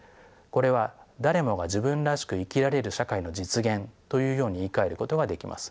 これは誰もが自分らしく生きられる社会の実現というように言いかえることができます。